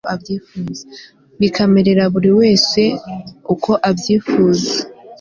bikamerera buri wese uko abyifuza